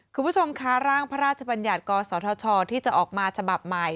คุณผู้ชมคะร่างพระราชบัญญัติกศธชที่จะออกมาฉบับใหม่